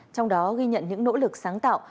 trong đó ghi nhận những nỗ lực sáng tạo